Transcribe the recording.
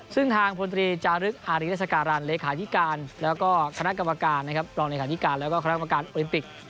ซึ่งทางพนตรีจารึกอาริรัฐการณ์และคณะกรรมการโอลิมปิก